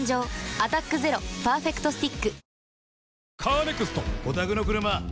「アタックＺＥＲＯパーフェクトスティック」